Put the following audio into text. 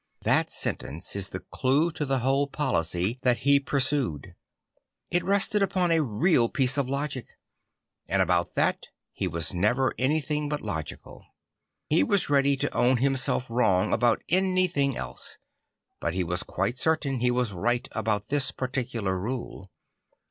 That sentence is the clue to the whole policy that he pursued. It rested upon a real piece of logic; and about that he was never anything but logical. He was ready to own himself wrong about any thing else; but he \V'as quite certain he was right about this particular rule.